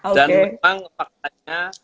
dan memang faktanya